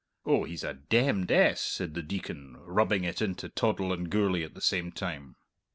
"Oh, he's a 'demned ess,'" said the Deacon, rubbing it into Toddle and Gourlay at the same time.